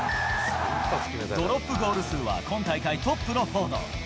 ドロップゴール数は、今大会トップのフォード。